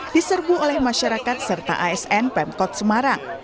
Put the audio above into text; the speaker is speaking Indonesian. diserbu oleh masyarakat serta asn pemkot semarang